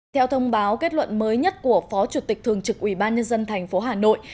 theo thông báo kết luận mới nhất của phó chủ tịch thường trực ubnd tp hà nội